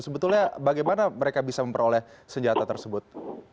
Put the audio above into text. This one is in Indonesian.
sebetulnya bagaimana mereka bisa memperoleh senjata tersebut